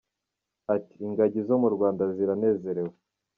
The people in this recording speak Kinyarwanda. Ati" Ingagi zo mu Rwanda ziranezerewe.